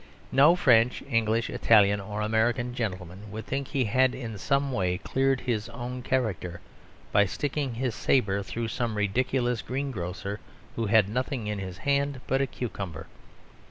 No French, English, Italian or American gentleman would think he had in some way cleared his own character by sticking his sabre through some ridiculous greengrocer who had nothing in his hand but a cucumber.